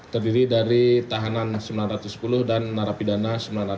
terdiri dari tahanan sembilan ratus sepuluh dan narapidana sembilan ratus sembilan puluh